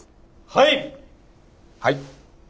はい。